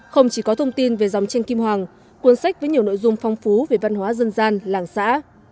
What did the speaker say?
không chỉ có thông tin về dòng tranh kim hoàng cuốn sách với nhiều nội dung phong phú về văn hóa dân gian làng xã